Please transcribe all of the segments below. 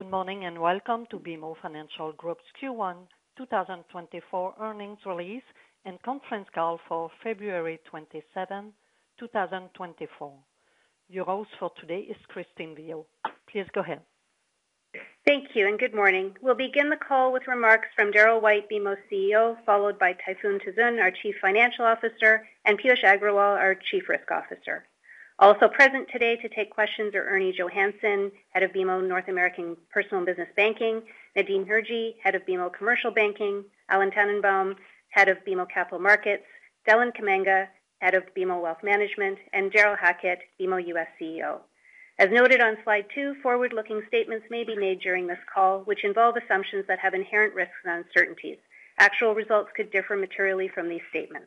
Good morning and welcome to BMO Financial Group's Q1 2024 earnings release and conference call for February 27, 2024. Your host for today is Christine Viau. Please go ahead. Thank you, and good morning. We'll begin the call with remarks from Darryl White, BMO CEO, followed by Tayfun Tuzun, our Chief Financial Officer, and Piyush Agrawal, our Chief Risk Officer. Also present today to take questions are Ernie Johannson, Head of BMO North American Personal and Business Banking; Nadim Hirji, Head of BMO Commercial Banking; Alan Tannenbaum, Head of BMO Capital Markets; Deland Kamanga, Head of BMO Wealth Management; and Darryl Hackett, BMO U.S. CEO. As noted on slide 2, forward-looking statements may be made during this call, which involve assumptions that have inherent risks and uncertainties. Actual results could differ materially from these statements.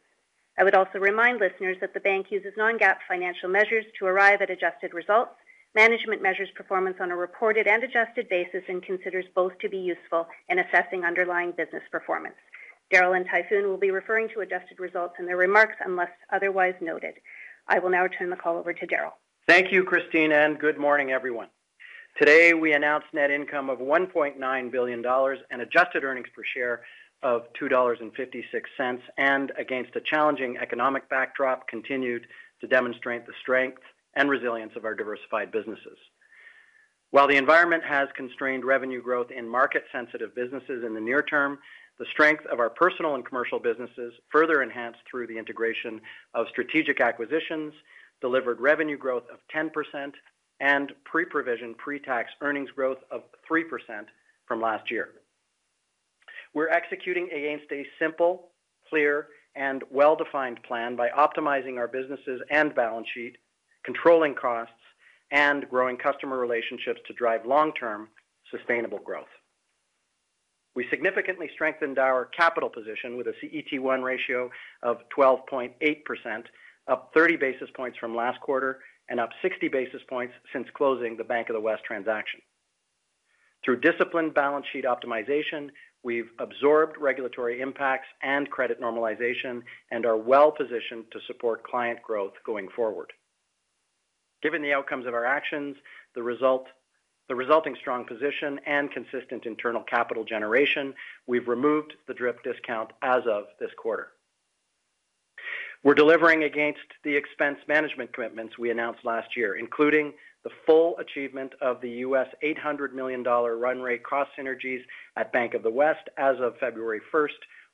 I would also remind listeners that the bank uses non-GAAP financial measures to arrive at adjusted results, management measures performance on a reported and adjusted basis, and considers both to be useful in assessing underlying business performance. Darryl and Tayfun will be referring to adjusted results in their remarks unless otherwise noted. I will now turn the call over to Darryl. Thank you, Christine, and good morning, everyone. Today we announced net income of 1.9 billion dollars and adjusted earnings per share of 2.56 dollars, and against a challenging economic backdrop, continued to demonstrate the strength and resilience of our diversified businesses. While the environment has constrained revenue growth in market-sensitive businesses in the near term, the strength of our personal and commercial businesses, further enhanced through the integration of strategic acquisitions, delivered revenue growth of 10% and pre-provision/pre-tax earnings growth of 3% from last year. We're executing against a simple, clear, and well-defined plan by optimizing our businesses and balance sheet, controlling costs, and growing customer relationships to drive long-term, sustainable growth. We significantly strengthened our capital position with a CET1 ratio of 12.8%, up 30 basis points from last quarter and up 60 basis points since closing the Bank of the West transaction. Through disciplined balance sheet optimization, we've absorbed regulatory impacts and credit normalization and are well-positioned to support client growth going forward. Given the outcomes of our actions, the resulting strong position, and consistent internal capital generation, we've removed the DRIP discount as of this quarter. We're delivering against the expense management commitments we announced last year, including the full achievement of the $800 million run rate cost synergies at Bank of the West as of February 1st,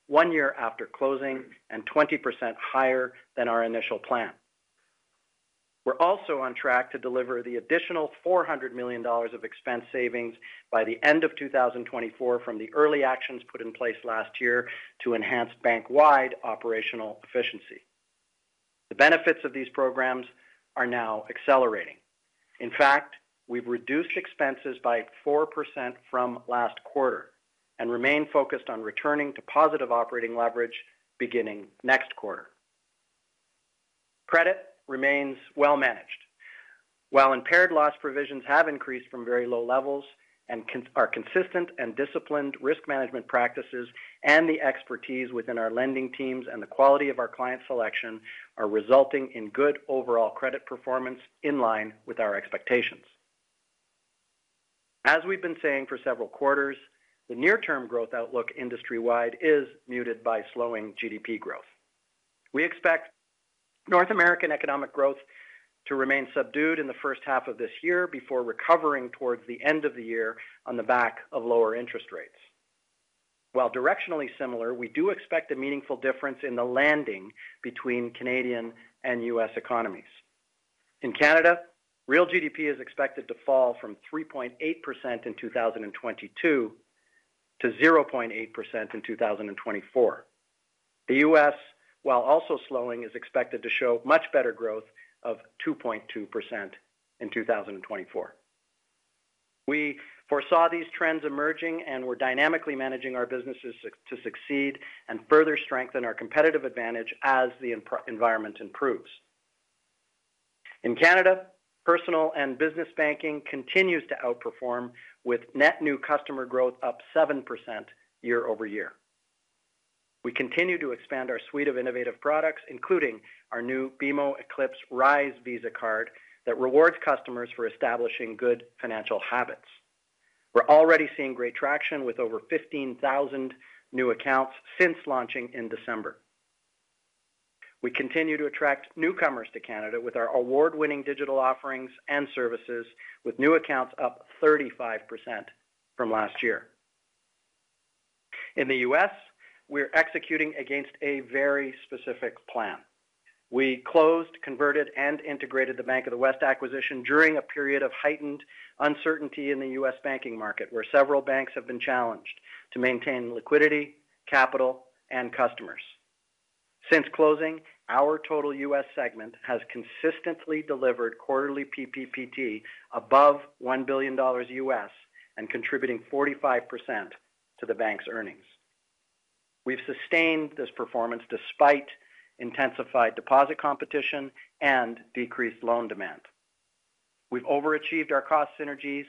one year after closing, and 20% higher than our initial plan. We're also on track to deliver the additional $400 million of expense savings by the end of 2024 from the early actions put in place last year to enhance bank-wide operational efficiency. The benefits of these programs are now accelerating. In fact, we've reduced expenses by 4% from last quarter and remain focused on returning to positive operating leverage beginning next quarter. Credit remains well-managed. While impaired loss provisions have increased from very low levels and are consistent and disciplined risk management practices, the expertise within our lending teams and the quality of our client selection are resulting in good overall credit performance in line with our expectations. As we've been saying for several quarters, the near-term growth outlook industry-wide is muted by slowing GDP growth. We expect North American economic growth to remain subdued in the first half of this year before recovering towards the end of the year on the back of lower interest rates. While directionally similar, we do expect a meaningful difference in the landing between Canadian and U.S. economies. In Canada, real GDP is expected to fall from 3.8% in 2022 to 0.8% in 2024. The U.S., while also slowing, is expected to show much better growth of 2.2% in 2024. We foresaw these trends emerging and were dynamically managing our businesses to succeed and further strengthen our competitive advantage as the environment improves. In Canada, personal and business banking continues to outperform, with net new customer growth up 7% year over year. We continue to expand our suite of innovative products, including our new BMO Eclipse Rise Visa card that rewards customers for establishing good financial habits. We're already seeing great traction with over 15,000 new accounts since launching in December. We continue to attract newcomers to Canada with our award-winning digital offerings and services, with new accounts up 35% from last year. In the U.S., we're executing against a very specific plan. We closed, converted, and integrated the Bank of the West acquisition during a period of heightened uncertainty in the U.S. banking market, where several banks have been challenged to maintain liquidity, capital, and customers. Since closing, our total U.S. segment has consistently delivered quarterly PPPT above $1 billion and contributing 45% to the bank's earnings. We've sustained this performance despite intensified deposit competition and decreased loan demand. We've overachieved our cost synergies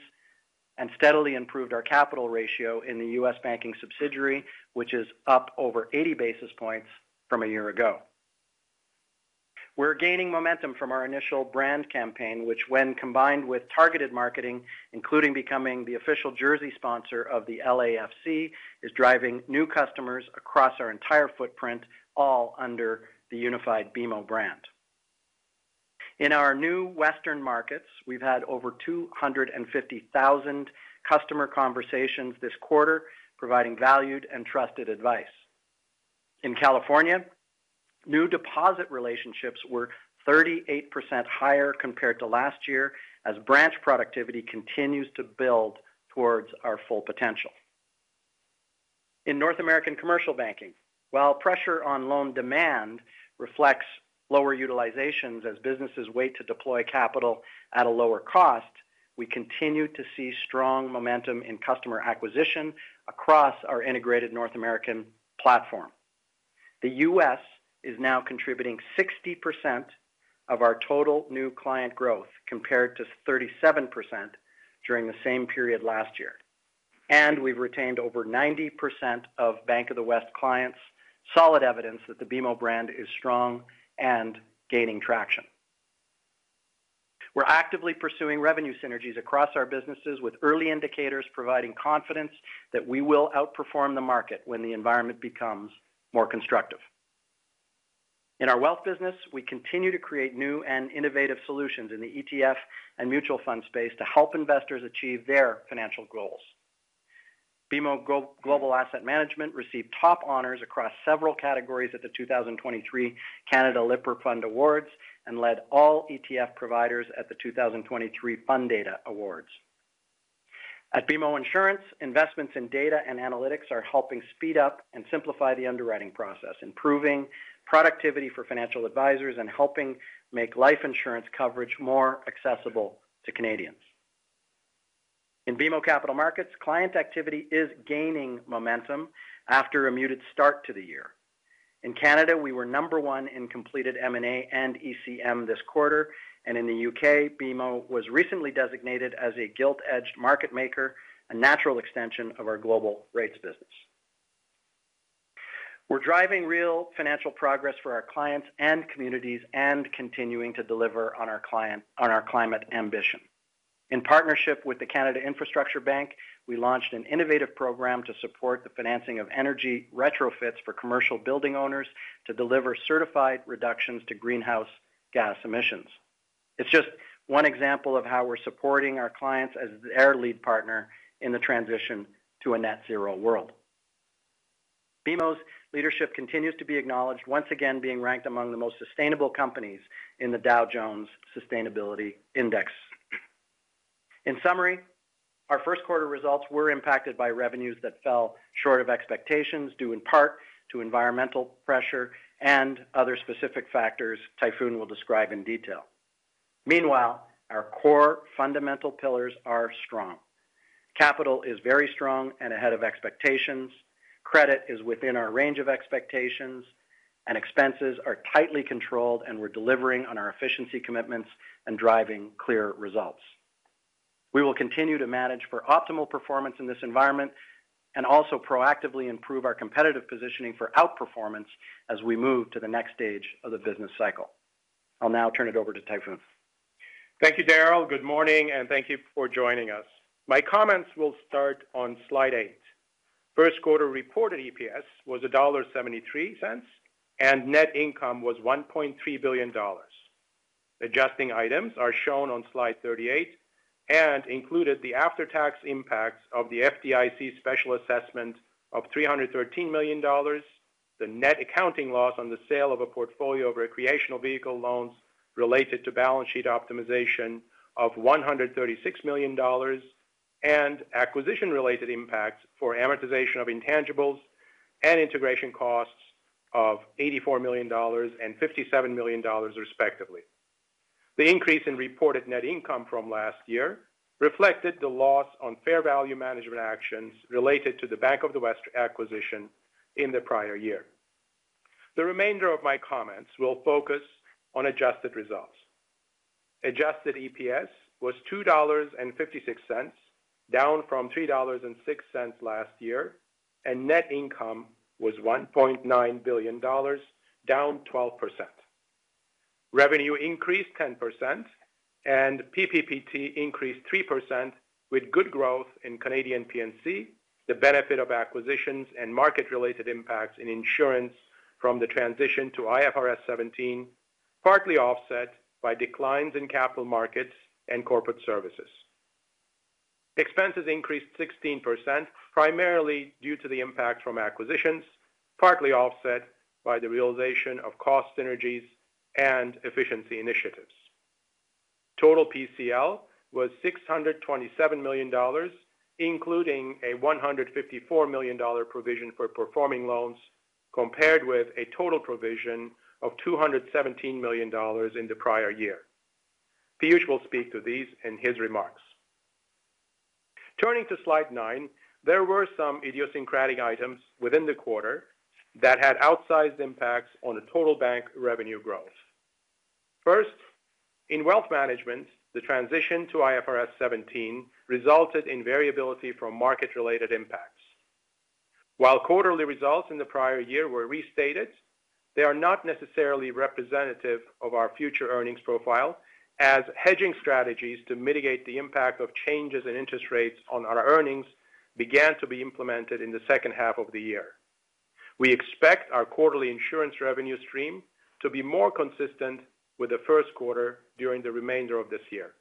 and steadily improved our capital ratio in the U.S. banking subsidiary, which is up over 80 basis points from a year ago. We're gaining momentum from our initial brand campaign, which, when combined with targeted marketing, including becoming the official jersey sponsor of the LAFC, is driving new customers across our entire footprint, all under the unified BMO brand. In our new Western markets, we've had over 250,000 customer conversations this quarter, providing valued and trusted advice. In California, new deposit relationships were 38% higher compared to last year as branch productivity continues to build towards our full potential. In North American commercial banking, while pressure on loan demand reflects lower utilizations as businesses wait to deploy capital at a lower cost, we continue to see strong momentum in customer acquisition across our integrated North American platform. The U.S. is now contributing 60% of our total new client growth compared to 37% during the same period last year, and we've retained over 90% of Bank of the West clients, solid evidence that the BMO brand is strong and gaining traction. We're actively pursuing revenue synergies across our businesses, with early indicators providing confidence that we will outperform the market when the environment becomes more constructive. In our wealth business, we continue to create new and innovative solutions in the ETF and mutual fund space to help investors achieve their financial goals. BMO Global Asset Management received top honors across several categories at the 2023 Canada Lipper Fund Awards and led all ETF providers at the 2023 Fundata Awards. At BMO Insurance, investments in data and analytics are helping speed up and simplify the underwriting process, improving productivity for financial advisors and helping make life insurance coverage more accessible to Canadians. In BMO Capital Markets, client activity is gaining momentum after a muted start to the year. In Canada, we were number one in completed M&A and ECM this quarter, and in the U.K., BMO was recently designated as a gilt-edged market maker, a natural extension of our global rates business. We're driving real financial progress for our clients and communities and continuing to deliver on our climate ambition. In partnership with the Canada Infrastructure Bank, we launched an innovative program to support the financing of energy retrofits for commercial building owners to deliver certified reductions to greenhouse gas emissions. It's just one example of how we're supporting our clients as their lead partner in the transition to a net-zero world. BMO's leadership continues to be acknowledged, once again being ranked among the most sustainable companies in the Dow Jones Sustainability Index. In summary, our first quarter results were impacted by revenues that fell short of expectations, due in part to environmental pressure and other specific factors Tayfun will describe in detail. Meanwhile, our core fundamental pillars are strong. Capital is very strong and ahead of expectations. Credit is within our range of expectations, and expenses are tightly controlled and we're delivering on our efficiency commitments and driving clear results. We will continue to manage for optimal performance in this environment and also proactively improve our competitive positioning for outperformance as we move to the next stage of the business cycle. I'll now turn it over to Tayfun. Thank you, Darryl. Good morning, and thank you for joining us. My comments will start on slide 8. First quarter reported EPS was dollar 1.73 and net income was 1.3 billion dollars. Adjusting items are shown on slide 38 and included the after-tax impacts of the FDIC special assessment of 313 million dollars, the net accounting loss on the sale of a portfolio of recreational vehicle loans related to balance sheet optimization of 136 million dollars, and acquisition-related impacts for amortization of intangibles and integration costs of 84 million dollars and 57 million dollars, respectively. The increase in reported net income from last year reflected the loss on fair value management actions related to the Bank of the West acquisition in the prior year. The remainder of my comments will focus on adjusted results. Adjusted EPS was 2.56 dollars, down from 3.06 dollars last year, and net income was 1.9 billion dollars, down 12%. Revenue increased 10% and PPPT increased 3% with good growth in Canadian P&C, the benefit of acquisitions and market-related impacts in insurance from the transition to IFRS 17, partly offset by declines in capital markets and corporate services. Expenses increased 16%, primarily due to the impact from acquisitions, partly offset by the realization of cost synergies and efficiency initiatives. Total PCL was 627 million dollars, including a 154 million dollar provision for performing loans, compared with a total provision of 217 million dollars in the prior year. Piyush will speak to these in his remarks. Turning to slide 9, there were some idiosyncratic items within the quarter that had outsized impacts on the total bank revenue growth. First, in wealth management, the transition to IFRS 17 resulted in variability from market-related impacts. While quarterly results in the prior year were restated, they are not necessarily representative of our future earnings profile, as hedging strategies to mitigate the impact of changes in interest rates on our earnings began to be implemented in the second half of the year. We expect our quarterly insurance revenue stream to be more consistent with the first quarter during the remainder of this year.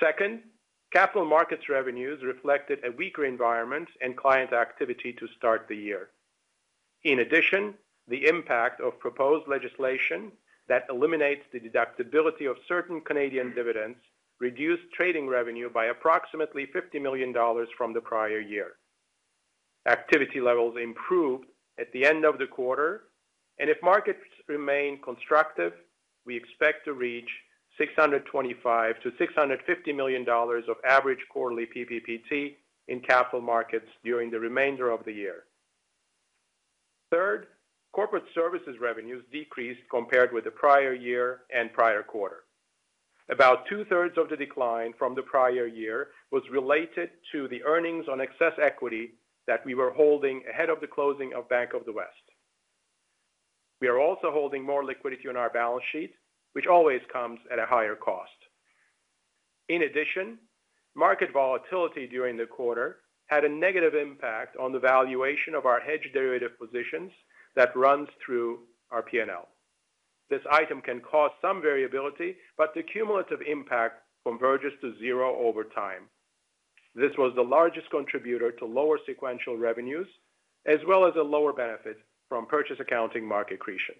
Second, capital markets revenues reflected a weaker environment and client activity to start the year. In addition, the impact of proposed legislation that eliminates the deductibility of certain Canadian dividends reduced trading revenue by approximately 50 million dollars from the prior year. Activity levels improved at the end of the quarter, and if markets remain constructive, we expect to reach 625 million-650 million dollars of average quarterly PPPT in capital markets during the remainder of the year. Third, corporate services revenues decreased compared with the prior year and prior quarter. About two-thirds of the decline from the prior year was related to the earnings on excess equity that we were holding ahead of the closing of Bank of the West. We are also holding more liquidity on our balance sheet, which always comes at a higher cost. In addition, market volatility during the quarter had a negative impact on the valuation of our hedge derivative positions that runs through our P&L. This item can cause some variability, but the cumulative impact converges to zero over time. This was the largest contributor to lower sequential revenues, as well as a lower benefit from purchase accounting market creation.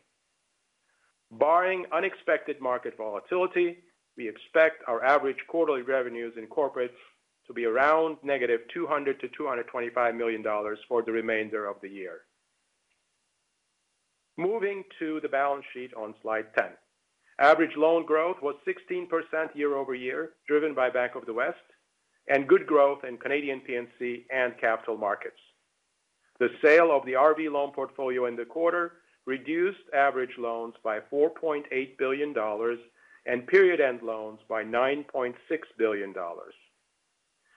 Barring unexpected market volatility, we expect our average quarterly revenues in corporates to be around -200 million to 225 million dollars for the remainder of the year. Moving to the balance sheet on slide 10. Average loan growth was 16% year-over-year, driven by Bank of the West, and good growth in Canadian P&C and capital markets. The sale of the RV loan portfolio in the quarter reduced average loans by $4.8 billion and period-end loans by $9.6 billion.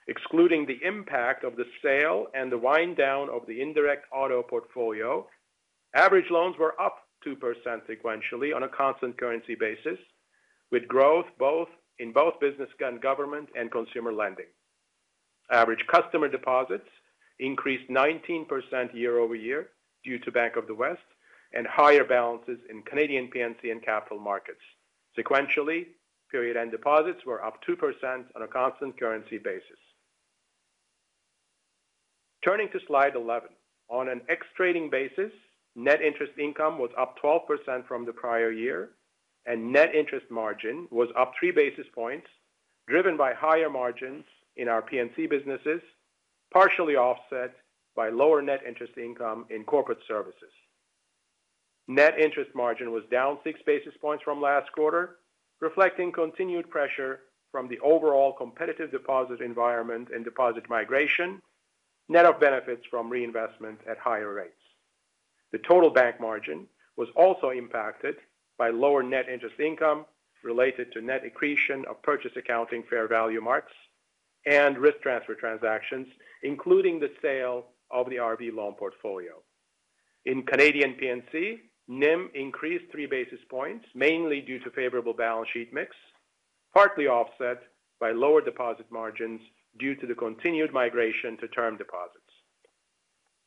Excluding the impact of the sale and the wind-down of the indirect auto portfolio, average loans were up 2% sequentially on a constant currency basis, with growth in both business and government and consumer lending. Average customer deposits increased 19% year-over-year due to Bank of the West and higher balances in Canadian P&C and capital markets. Sequentially, period-end deposits were up 2% on a constant currency basis. Turning to slide 11. On an ex-trading basis, net interest income was up 12% from the prior year, and net interest margin was up 3 basis points, driven by higher margins in our P&C businesses, partially offset by lower net interest income in corporate services. Net interest margin was down 6 basis points from last quarter, reflecting continued pressure from the overall competitive deposit environment and deposit migration, net of benefits from reinvestment at higher rates. The total bank margin was also impacted by lower net interest income related to net accretion of purchase accounting fair value marks and risk transfer transactions, including the sale of the RV loan portfolio. In Canadian P&C, NIM increased 3 basis points, mainly due to favorable balance sheet mix, partly offset by lower deposit margins due to the continued migration to term deposits.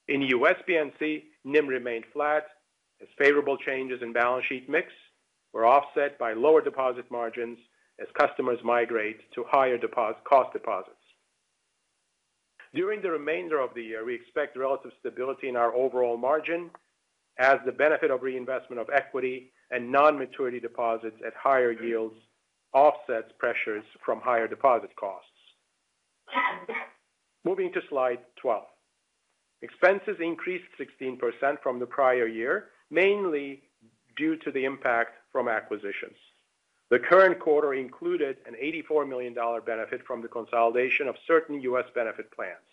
In U.S. P&C, NIM remained flat, as favorable changes in balance sheet mix were offset by lower deposit margins as customers migrate to higher cost deposits. During the remainder of the year, we expect relative stability in our overall margin, as the benefit of reinvestment of equity and non-maturity deposits at higher yields offsets pressures from higher deposit costs. Moving to slide 12. Expenses increased 16% from the prior year, mainly due to the impact from acquisitions. The current quarter included a 84 million dollar benefit from the consolidation of certain U.S. benefit plans.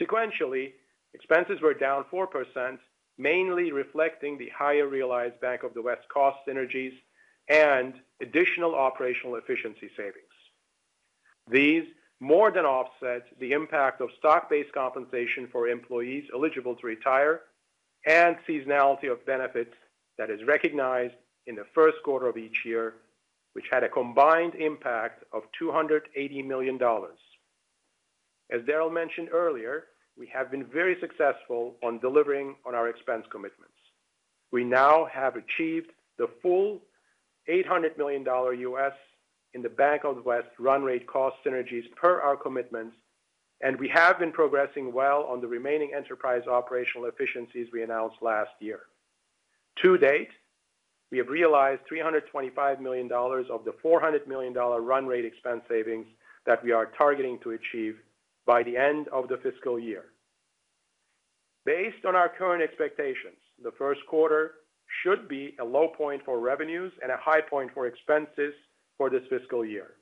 Sequentially, expenses were down 4%, mainly reflecting the higher realized Bank of the West cost synergies and additional operational efficiency savings. These more than offset the impact of stock-based compensation for employees eligible to retire and seasonality of benefits that is recognized in the first quarter of each year, which had a combined impact of 280 million dollars. As Darryl mentioned earlier, we have been very successful on delivering on our expense commitments. We now have achieved the full $800 million in the Bank of the West run-rate cost synergies per our commitments, and we have been progressing well on the remaining enterprise operational efficiencies we announced last year. To date, we have realized $325 million of the $400 million run-rate expense savings that we are targeting to achieve by the end of the fiscal year. Based on our current expectations, the first quarter should be a low point for revenues and a high point for expenses for this fiscal year.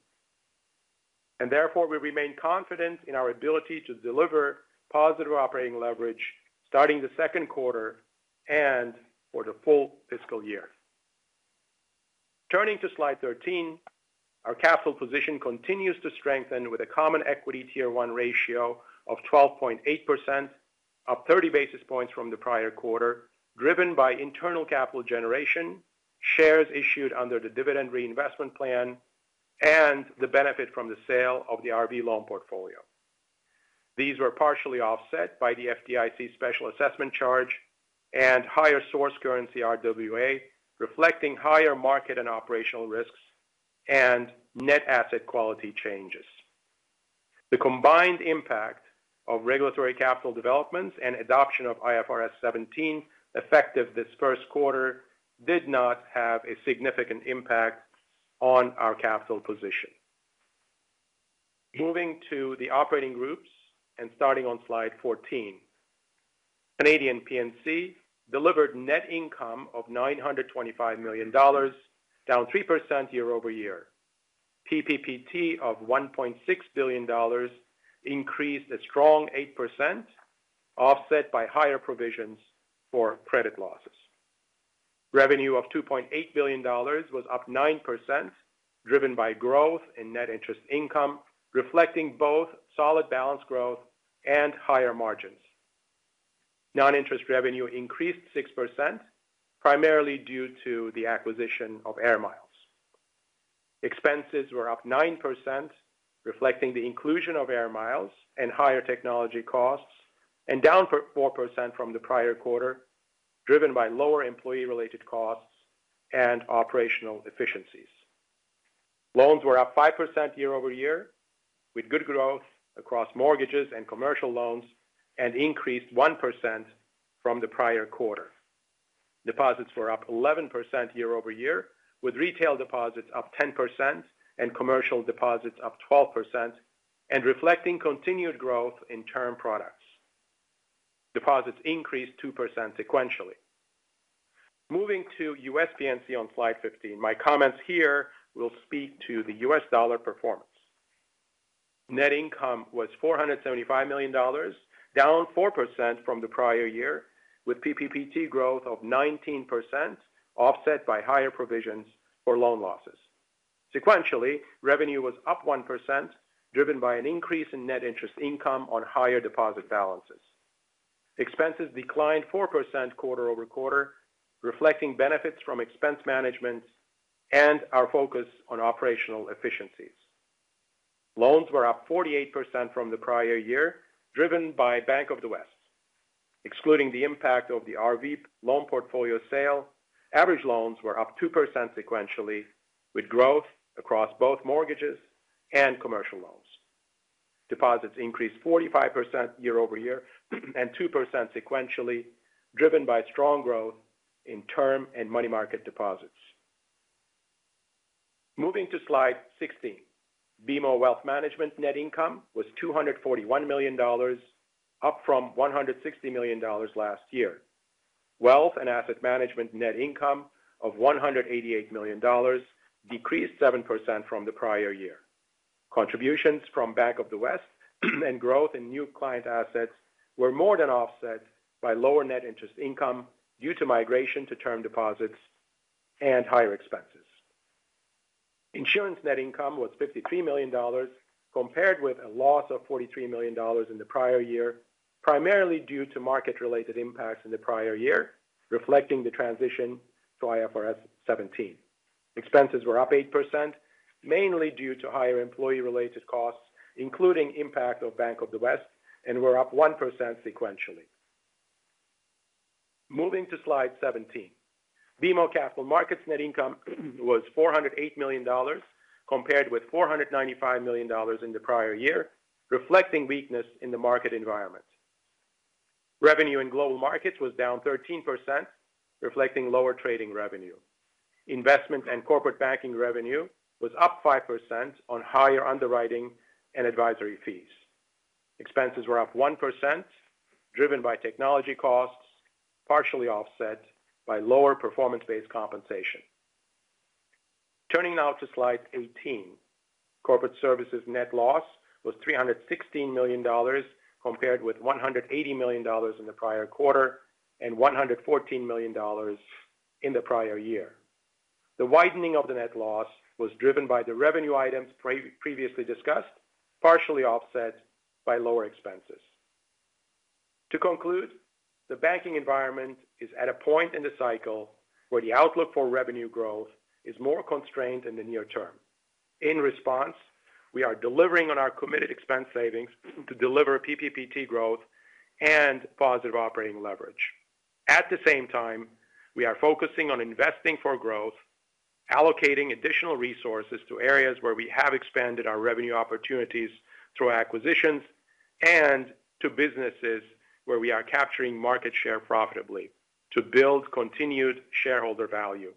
Therefore, we remain confident in our ability to deliver positive operating leverage starting the second quarter and for the full fiscal year. Turning to slide 13, our capital position continues to strengthen with a common equity tier one ratio of 12.8%, up 30 basis points from the prior quarter, driven by internal capital generation, shares issued under the dividend reinvestment plan, and the benefit from the sale of the RV loan portfolio. These were partially offset by the FDIC special assessment charge and higher source currency RWA, reflecting higher market and operational risks and net asset quality changes. The combined impact of regulatory capital developments and adoption of IFRS 17 effective this first quarter did not have a significant impact on our capital position. Moving to the operating groups and starting on slide 14. Canadian P&C delivered net income of 925 million dollars, down 3% year-over-year. PPPT of 1.6 billion dollars increased a strong 8%, offset by higher provisions for credit losses. Revenue of 2.8 billion dollars was up 9%, driven by growth in net interest income, reflecting both solid balance growth and higher margins. Non-interest revenue increased 6%, primarily due to the acquisition of AIR MILES. Expenses were up 9%, reflecting the inclusion of AIR MILES and higher technology costs, and down 4% from the prior quarter, driven by lower employee-related costs and operational efficiencies. Loans were up 5% year-over-year, with good growth across mortgages and commercial loans and increased 1% from the prior quarter. Deposits were up 11% year-over-year, with retail deposits up 10% and commercial deposits up 12%, and reflecting continued growth in term products. Deposits increased 2% sequentially. Moving to U.S. P&C on slide 15, my comments here will speak to the U.S. dollar performance. Net income was 475 million dollars, down 4% from the prior year, with PPPT growth of 19%, offset by higher provisions for loan losses. Sequentially, revenue was up 1%, driven by an increase in net interest income on higher deposit balances. Expenses declined 4% quarter-over-quarter, reflecting benefits from expense management and our focus on operational efficiencies. Loans were up 48% from the prior year, driven by Bank of the West. Excluding the impact of the RV loan portfolio sale, average loans were up 2% sequentially, with growth across both mortgages and commercial loans. Deposits increased 45% year-over-year and 2% sequentially, driven by strong growth in term and money market deposits. Moving to slide 16. BMO Wealth Management net income was 241 million dollars, up from 160 million dollars last year. Wealth and Asset Management net income of 188 million dollars decreased 7% from the prior year. Contributions from Bank of the West and growth in new client assets were more than offset by lower net interest income due to migration to term deposits and higher expenses. Insurance net income was 53 million dollars, compared with a loss of 43 million dollars in the prior year, primarily due to market-related impacts in the prior year, reflecting the transition to IFRS 17. Expenses were up 8%, mainly due to higher employee-related costs, including impact of Bank of the West, and were up 1% sequentially. Moving to slide 17. BMO Capital Markets net income was 408 million dollars, compared with 495 million dollars in the prior year, reflecting weakness in the market environment. Revenue in global markets was down 13%, reflecting lower trading revenue. Investment and corporate banking revenue was up 5% on higher underwriting and advisory fees. Expenses were up 1%, driven by technology costs, partially offset by lower performance-based compensation. Turning now to slide 18. Corporate services net loss was 316 million dollars, compared with 180 million dollars in the prior quarter and 114 million dollars in the prior year. The widening of the net loss was driven by the revenue items previously discussed, partially offset by lower expenses. To conclude, the banking environment is at a point in the cycle where the outlook for revenue growth is more constrained in the near term. In response, we are delivering on our committed expense savings to deliver PPPT growth and positive operating leverage. At the same time, we are focusing on investing for growth, allocating additional resources to areas where we have expanded our revenue opportunities through acquisitions, and to businesses where we are capturing market share profitably to build continued shareholder value.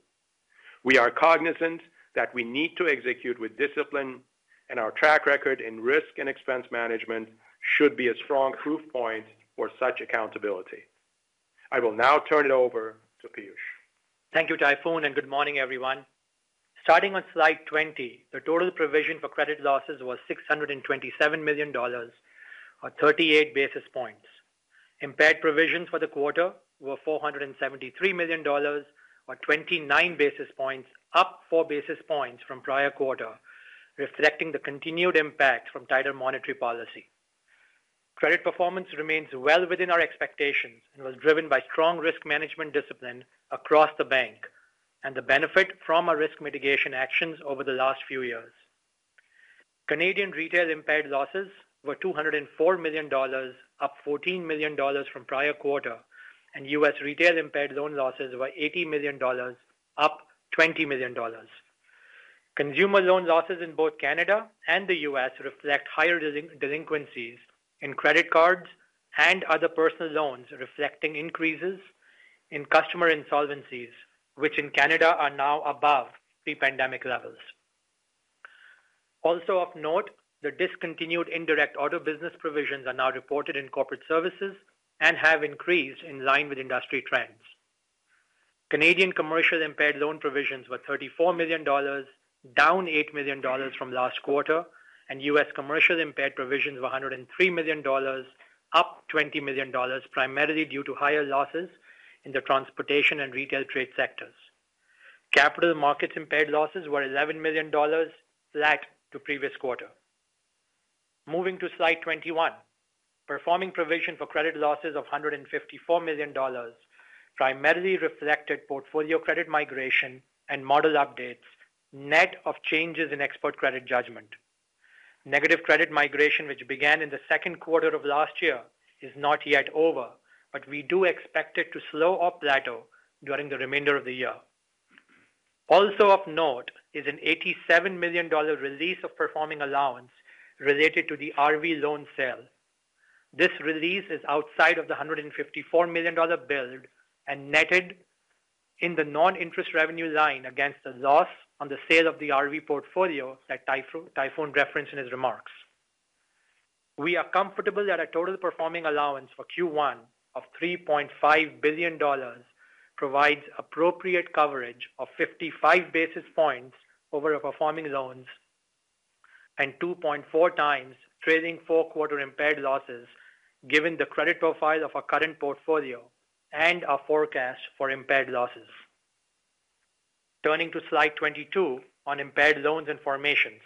We are cognizant that we need to execute with discipline, and our track record in risk and expense management should be a strong proof point for such accountability. I will now turn it over to Piyush. Thank you, Tayfun, and good morning, everyone. Starting on slide 20, the total provision for credit losses was 627 million dollars, or 38 basis points. Impaired provisions for the quarter were 473 million dollars, or 29 basis points, up 4 basis points from prior quarter, reflecting the continued impact from tighter monetary policy. Credit performance remains well within our expectations and was driven by strong risk management discipline across the bank and the benefit from our risk mitigation actions over the last few years. Canadian retail impaired losses were 204 million dollars, up 14 million dollars from prior quarter, and U.S. retail impaired loan losses were 80 million dollars, up 20 million dollars. Consumer loan losses in both Canada and the U.S. reflect higher delinquencies in credit cards and other personal loans, reflecting increases in customer insolvencies, which in Canada are now above pre-pandemic levels. Also of note, the discontinued indirect auto business provisions are now reported in corporate services and have increased in line with industry trends. Canadian commercial impaired loan provisions were 34 million dollars, down 8 million dollars from last quarter, and U.S. commercial impaired provisions were 103 million dollars, up 20 million dollars, primarily due to higher losses in the transportation and retail trade sectors. Capital markets impaired losses were 11 million dollars, flat to previous quarter. Moving to slide 21. Performing provision for credit losses of 154 million dollars primarily reflected portfolio credit migration and model updates, net of changes in export credit judgment. Negative credit migration, which began in the second quarter of last year, is not yet over, but we do expect it to slow or plateau during the remainder of the year. Also of note is a 87 million dollar release of performing allowance related to the RV loan sale. This release is outside of the 154 million dollar build and netted in the non-interest revenue line against the loss on the sale of the RV portfolio that Tayfun referenced in his remarks. We are comfortable that a total performing allowance for Q1 of 3.5 billion dollars provides appropriate coverage of 55 basis points over our performing loans and 2.4 times trailing four-quarter impaired losses, given the credit profile of our current portfolio and our forecast for impaired losses. Turning to slide 22 on impaired loans and formations.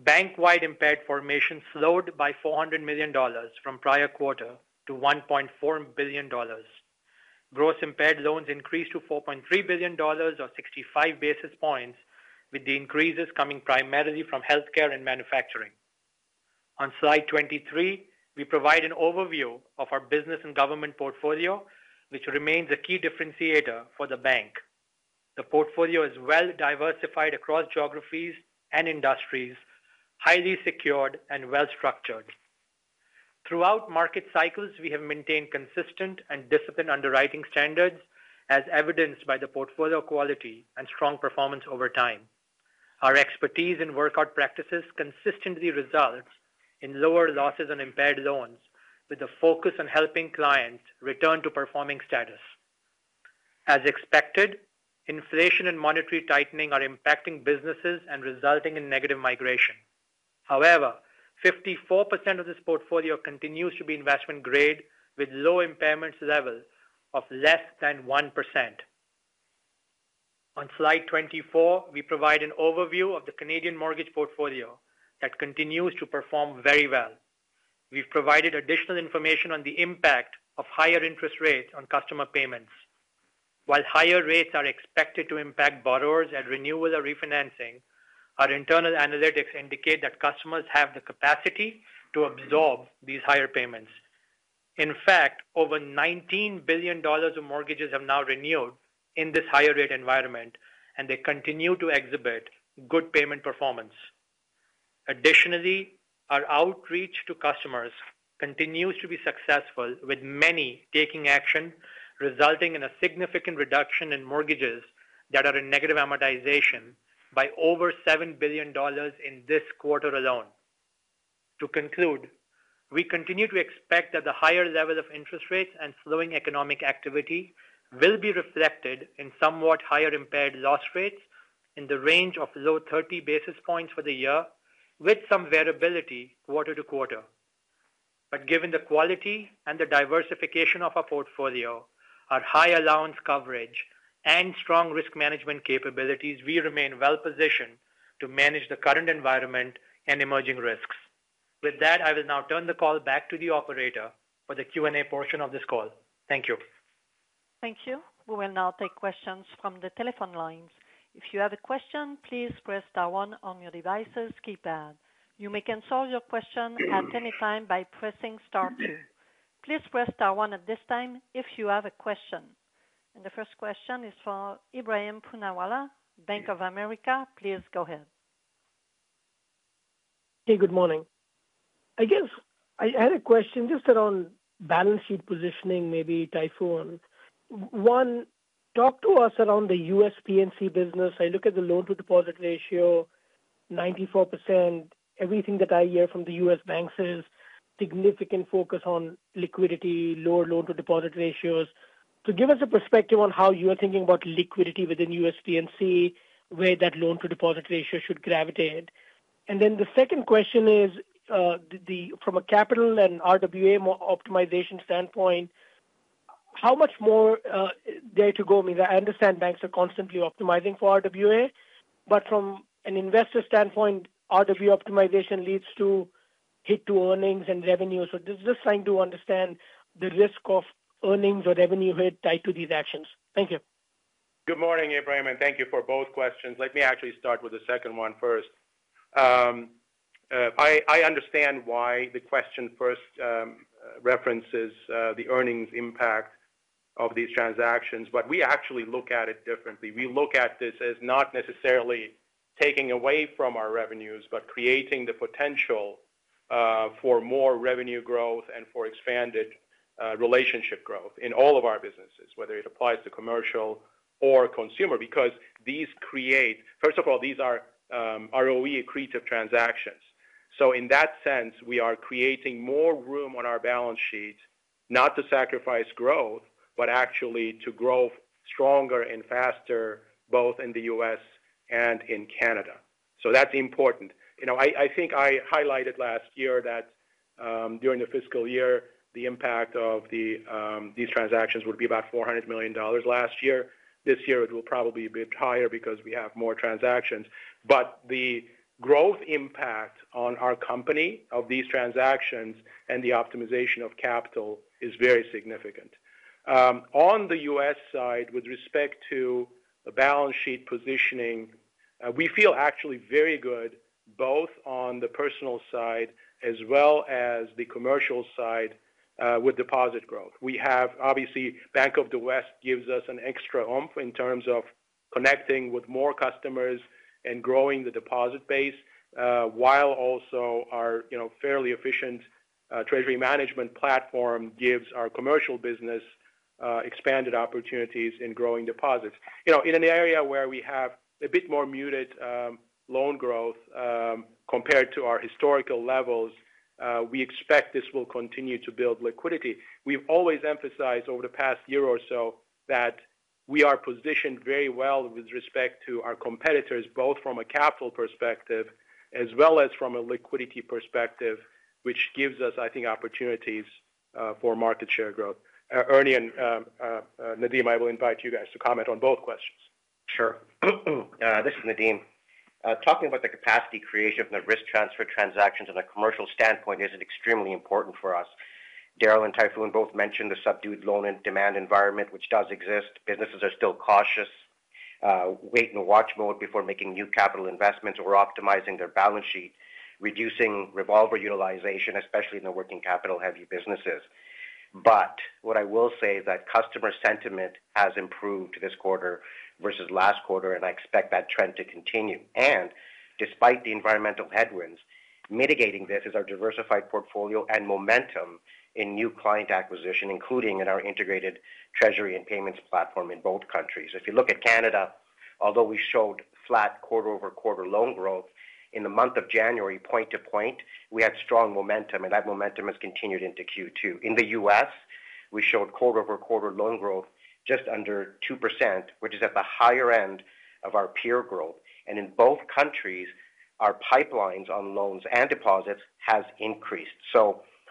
Bank-wide impaired formations slowed by 400 million dollars from prior quarter to 1.4 billion dollars. Gross impaired loans increased to 4.3 billion dollars, or 65 basis points, with the increases coming primarily from healthcare and manufacturing. On slide 23, we provide an overview of our business and government portfolio, which remains a key differentiator for the bank. The portfolio is well diversified across geographies and industries, highly secured and well-structured. Throughout market cycles, we have maintained consistent and disciplined underwriting standards, as evidenced by the portfolio quality and strong performance over time. Our expertise in workout practices consistently results in lower losses on impaired loans, with a focus on helping clients return to performing status. As expected, inflation and monetary tightening are impacting businesses and resulting in negative migration. However, 54% of this portfolio continues to be investment grade, with low impairments level of less than 1%. On slide 24, we provide an overview of the Canadian mortgage portfolio that continues to perform very well. We've provided additional information on the impact of higher interest rates on customer payments. While higher rates are expected to impact borrowers at renewal or refinancing, our internal analytics indicate that customers have the capacity to absorb these higher payments. In fact, over 19 billion dollars of mortgages have now renewed in this higher-rate environment, and they continue to exhibit good payment performance. Additionally, our outreach to customers continues to be successful, with many taking action, resulting in a significant reduction in mortgages that are in negative amortization by over 7 billion dollars in this quarter alone. To conclude, we continue to expect that the higher level of interest rates and slowing economic activity will be reflected in somewhat higher impaired loss rates in the range of low 30 basis points for the year, with some variability quarter to quarter. But given the quality and the diversification of our portfolio, our high allowance coverage, and strong risk management capabilities, we remain well-positioned to manage the current environment and emerging risks. With that, I will now turn the call back to the operator for the Q&A portion of this call. Thank you. Thank you. We will now take questions from the telephone lines. If you have a question, please press star one on your device's keypad. You may answer your question at any time by pressing star two. Please press star one at this time if you have a question. And the first question is for Ebrahim Poonawala, Bank of America. Please go ahead. Hey, good morning. I guess I had a question just around balance sheet positioning, maybe, Tayfun. One, talk to us around the U.S. P&C business. I look at the loan-to-deposit ratio, 94%. Everything that I hear from the U.S. banks is significant focus on liquidity, lower loan-to-deposit ratios. So give us a perspective on how you are thinking about liquidity within U.S. P&C, where that loan-to-deposit ratio should gravitate. And then the second question is, from a capital and RWA optimization standpoint, how much more there to go? I mean, I understand banks are constantly optimizing for RWA, but from an investor standpoint, RWA optimization leads to hit-to-earnings and revenue. So just trying to understand the risk of earnings or revenue hit tied to these actions. Thank you. Good morning, Ebrahim. And thank you for both questions. Let me actually start with the second one first. I understand why the question first references the earnings impact of these transactions, but we actually look at it differently. We look at this as not necessarily taking away from our revenues, but creating the potential for more revenue growth and for expanded relationship growth in all of our businesses, whether it applies to commercial or consumer, because these create first of all, these are ROE accretive transactions. So in that sense, we are creating more room on our balance sheets, not to sacrifice growth, but actually to grow stronger and faster, both in the U.S. and in Canada. So that's important. I think I highlighted last year that during the fiscal year, the impact of these transactions would be about $400 million last year. This year, it will probably be a bit higher because we have more transactions. But the growth impact on our company of these transactions and the optimization of capital is very significant. On the U.S. side, with respect to the balance sheet positioning, we feel actually very good, both on the personal side as well as the commercial side, with deposit growth. Obviously, Bank of the West gives us an extra oomph in terms of connecting with more customers and growing the deposit base, while also our fairly efficient treasury management platform gives our commercial business expanded opportunities in growing deposits. In an area where we have a bit more muted loan growth compared to our historical levels, we expect this will continue to build liquidity. We've always emphasized over the past year or so that we are positioned very well with respect to our competitors, both from a capital perspective as well as from a liquidity perspective, which gives us, I think, opportunities for market share growth. Ernie and Nadim, I will invite you guys to comment on both questions. Sure. This is Nadim. Talking about the capacity creation from the risk transfer transactions on a commercial standpoint is extremely important for us. Darryl and Tayfun both mentioned the subdued loan and demand environment, which does exist. Businesses are still cautious, wait-and-watch mode before making new capital investments or optimizing their balance sheet, reducing revolver utilization, especially in the working capital-heavy businesses. But what I will say is that customer sentiment has improved this quarter versus last quarter, and I expect that trend to continue. Despite the environmental headwinds, mitigating this is our diversified portfolio and momentum in new client acquisition, including in our integrated treasury and payments platform in both countries. If you look at Canada, although we showed flat quarter-over-quarter loan growth in the month of January, point to point, we had strong momentum, and that momentum has continued into Q2. In the U.S., we showed quarter-over-quarter loan growth just under 2%, which is at the higher end of our peer growth. In both countries, our pipelines on loans and deposits have increased.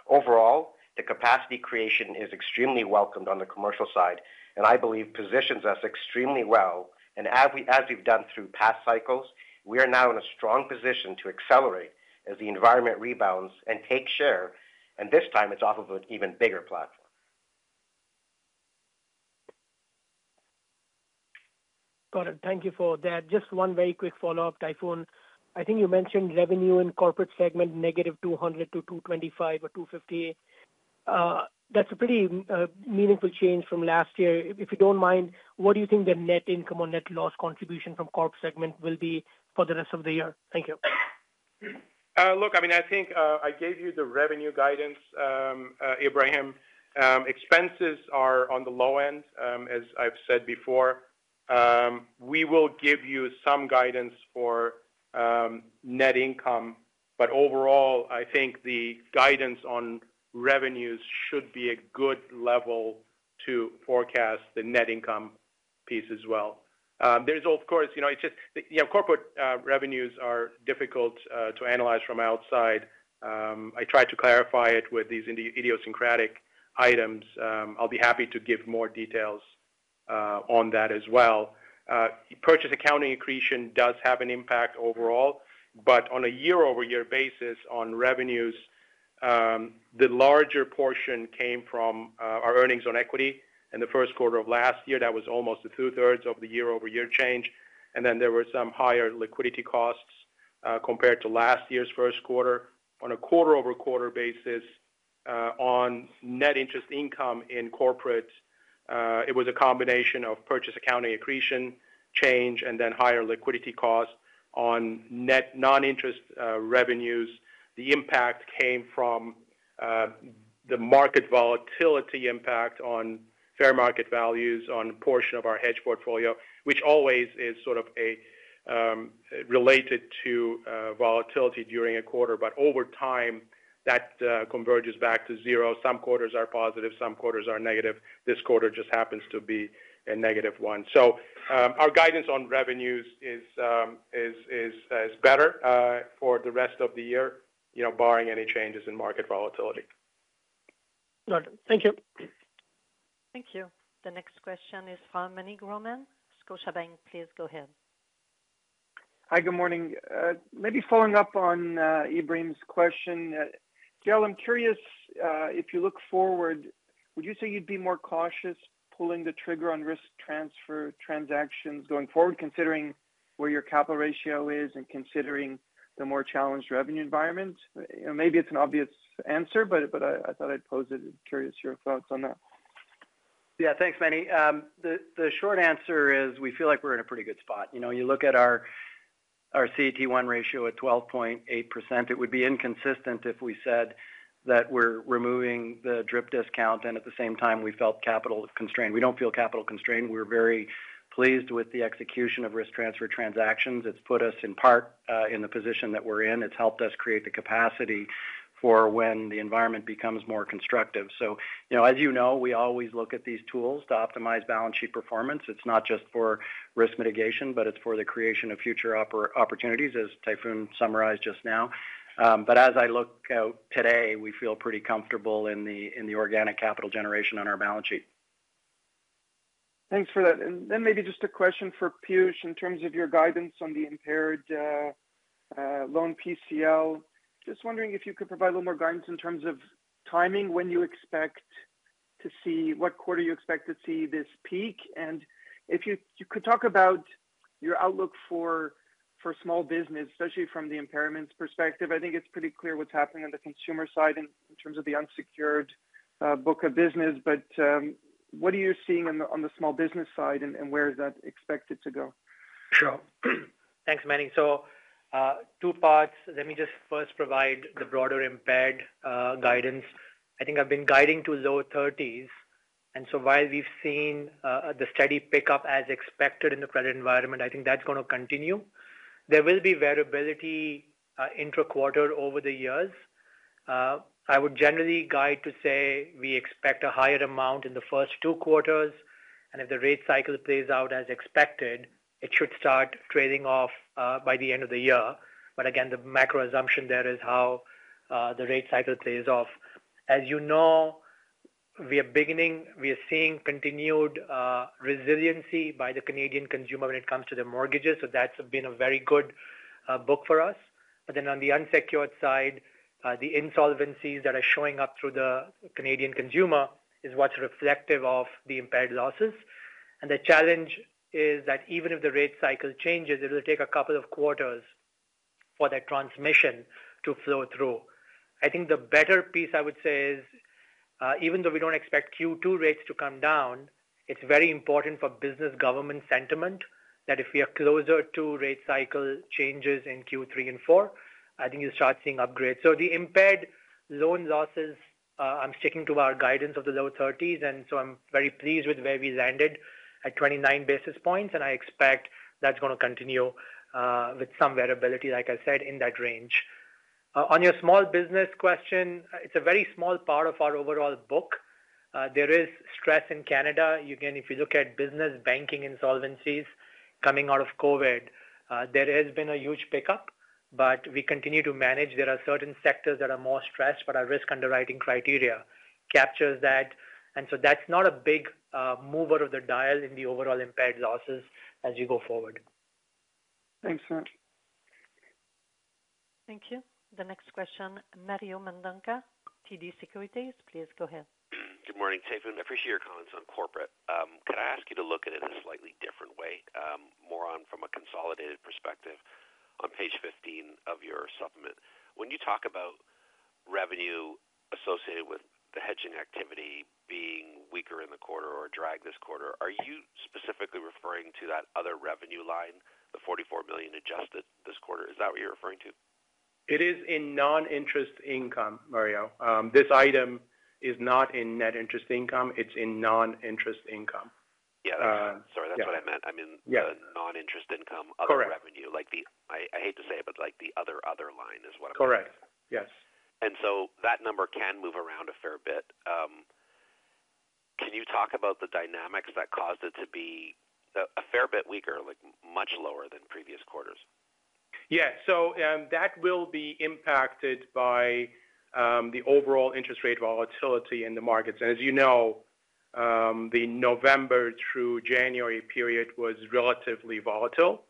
Overall, the capacity creation is extremely welcomed on the commercial side, and I believe positions us extremely well. As we've done through past cycles, we are now in a strong position to accelerate as the environment rebounds and take share. This time, it's off of an even bigger platform. Got it. Thank you for that. Just one very quick follow-up, Tayfun. I think you mentioned revenue in corporate segment negative 200 to 225 or 250. That's a pretty meaningful change from last year. If you don't mind, what do you think the net income or net loss contribution from corp segment will be for the rest of the year? Thank you. Look, I mean, I think I gave you the revenue guidance, Ebrahim. Expenses are on the low end, as I've said before. We will give you some guidance for net income, but overall, I think the guidance on revenues should be a good level to forecast the net income piece as well. There's, of course. It's just corporate revenues are difficult to analyze from outside. I tried to clarify it with these idiosyncratic items. I'll be happy to give more details on that as well. Purchase accounting accretion does have an impact overall, but on a year-over-year basis, on revenues, the larger portion came from our earnings on equity. In the first quarter of last year, that was almost 2/3 of the year-over-year change. Then there were some higher liquidity costs compared to last year's first quarter. On a quarter-over-quarter basis, on net interest income in corporate, it was a combination of purchase accounting accretion change and then higher liquidity cost. On net non-interest revenues, the impact came from the market volatility impact on fair market values on a portion of our hedge portfolio, which always is sort of related to volatility during a quarter. But over time, that converges back to zero. Some quarters are positive. Some quarters are negative. This quarter just happens to be a negative one. So our guidance on revenues is better for the rest of the year, barring any changes in market volatility. Got it. Thank you. Thank you. The next question is from Meny Grauman, Scotiabank. Please go ahead. Hi, good morning. Maybe following up on Ebrahim's question. Darrel, I'm curious, if you look forward, would you say you'd be more cautious pulling the trigger on risk transfer transactions going forward, considering where your capital ratio is and considering the more challenged revenue environment? Maybe it's an obvious answer, but I thought I'd pose it. I'm curious your thoughts on that. Yeah, thanks, Meny. The short answer is we feel like we're in a pretty good spot. You look at our CET1 ratio at 12.8%. It would be inconsistent if we said that we're removing the DRIP discount and at the same time we felt capital constrained. We don't feel capital constrained. We're very pleased with the execution of risk transfer transactions. It's put us in part in the position that we're in. It's helped us create the capacity for when the environment becomes more constructive. So as you know, we always look at these tools to optimize balance sheet performance. It's not just for risk mitigation, but it's for the creation of future opportunities, as Tayfun summarized just now. But as I look out today, we feel pretty comfortable in the organic capital generation on our balance sheet. Thanks for that. And then maybe just a question for Piyush in terms of your guidance on the impaired loan PCL. Just wondering if you could provide a little more guidance in terms of timing, when you expect to see what quarter you expect to see this peak. And if you could talk about your outlook for small business, especially from the impairments perspective. I think it's pretty clear what's happening on the consumer side in terms of the unsecured book of business. But what are you seeing on the small business side, and where is that expected to go? Sure. Thanks, Meny. So two parts. Let me just first provide the broader impaired guidance. I think I've been guiding to low 30s. And so while we've seen the steady pickup as expected in the credit environment, I think that's going to continue. There will be variability intra-quarter over the years. I would generally guide to say we expect a higher amount in the first two quarters. And if the rate cycle plays out as expected, it should start trailing off by the end of the year. But again, the macro assumption there is how the rate cycle plays off. As you know, we are seeing continued resiliency by the Canadian consumer when it comes to their mortgages. So that's been a very good book for us. But then, on the unsecured side, the insolvencies that are showing up through the Canadian consumer is what's reflective of the impaired losses. And the challenge is that even if the rate cycle changes, it will take a couple of quarters for that transmission to flow through. I think the better piece, I would say, is even though we don't expect Q2 rates to come down, it's very important for business government sentiment that if we are closer to rate cycle changes in Q3 and Q4, I think you'll start seeing upgrades. So the impaired loan losses, I'm sticking to our guidance of the low 30s. And so I'm very pleased with where we landed at 29 basis points. And I expect that's going to continue with some variability, like I said, in that range. On your small business question, it's a very small part of our overall book. There is stress in Canada. Again, if you look at business banking insolvencies coming out of COVID, there has been a huge pickup, but we continue to manage. There are certain sectors that are more stressed, but our risk underwriting criteria captures that. And so that's not a big mover of the dial in the overall impaired losses as you go forward. Thanks, Sir. Thank you. The next question, Mario Mendonca, TD Securities. Please go ahead. Good morning, Tayfun. I appreciate your comments on corporate. Could I ask you to look at it in a slightly different way, more on from a consolidated perspective on page 15 of your supplement? When you talk about revenue associated with the hedging activity being weaker in the quarter or dragged this quarter, are you specifically referring to that other revenue line, the 44 million adjusted this quarter? Is that what you're referring to? It is in non-interest income, Mario. This item is not in net interest income. It's in non-interest income. Yeah, sorry. That's what I meant. I mean non-interest income, other revenue. I hate to say it, but the other line is what I mean. Correct. Yes. And so that number can move around a fair bit. Can you talk about the dynamics that caused it to be a fair bit weaker, much lower than previous quarters? Yeah. So that will be impacted by the overall interest rate volatility in the markets. And as you know, the November through January period was relatively volatile.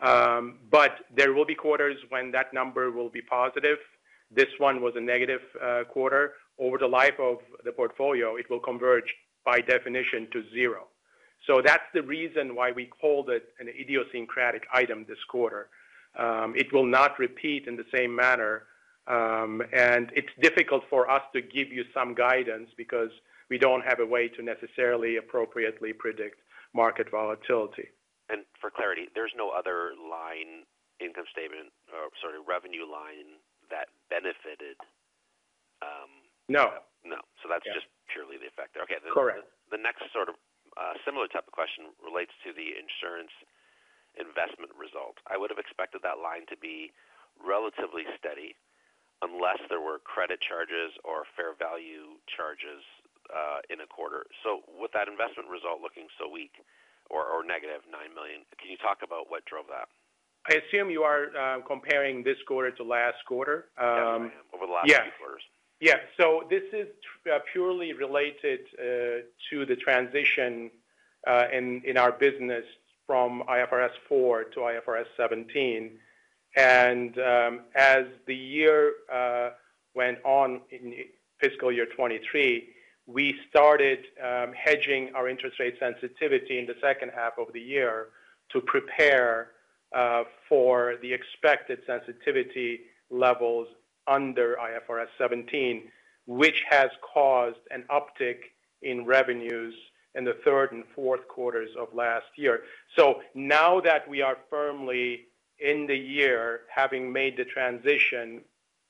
But there will be quarters when that number will be positive. This one was a negative quarter. Over the life of the portfolio, it will converge by definition to zero. So that's the reason why we called it an idiosyncratic item this quarter. It will not repeat in the same manner. It's difficult for us to give you some guidance because we don't have a way to necessarily appropriately predict market volatility. For clarity, there's no other line income statement, sorry, revenue line that benefited? No. No. So that's just purely the effect there. Okay. The next sort of similar type of question relates to the insurance investment result. I would have expected that line to be relatively steady unless there were credit charges or fair value charges in a quarter. So with that investment result looking so weak or negative 9 million, can you talk about what drove that? I assume you are comparing this quarter to last quarter. Yeah, I am. Over the last few quarters. Yeah. So this is purely related to the transition in our business from IFRS 4 to IFRS 17. As the year went on in fiscal year 2023, we started hedging our interest rate sensitivity in the second half of the year to prepare for the expected sensitivity levels under IFRS 17, which has caused an uptick in revenues in the third and fourth quarters of last year. So now that we are firmly in the year, having made the transition,